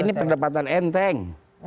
ini pendapatan enteng